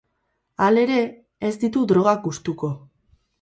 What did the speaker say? Halere, ez ditu drogak gustuko.